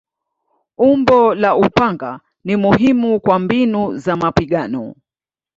Umbo la upanga ni muhimu kwa mbinu za mapigano.